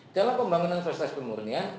dalam pembangunan fasilitas pemurnian